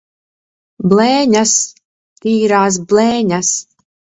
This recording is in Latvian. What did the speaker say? Blēņas! Tīrās blēņas!